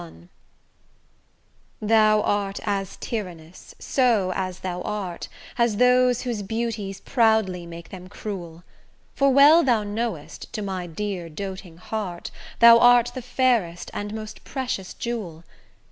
CXXXI Thou art as tyrannous, so as thou art, As those whose beauties proudly make them cruel; For well thou know'st to my dear doting heart Thou art the fairest and most precious jewel.